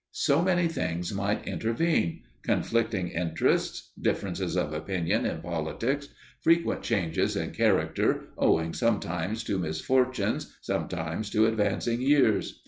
So many things might intervene: conflicting interests; differences of opinion in politics; frequent changes in character, owing sometimes to misfortunes, sometimes to advancing years.